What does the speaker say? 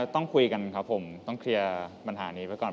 ต้องคุยกันครับผมต้องเคลียร์ปัญหานี้ไว้ก่อน